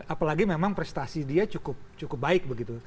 apalagi memang prestasi dia cukup baik begitu